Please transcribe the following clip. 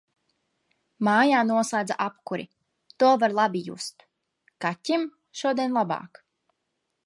Mājā noslēdza apkuri, to var labi just. Kaķim šodien labāk.